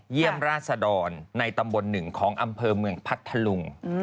ราศดรในตำบลหนึ่งของอำเภอเมืองพัทธลุง